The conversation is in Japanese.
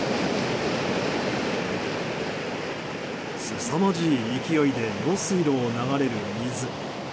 すさまじい勢いで用水路を流れる水。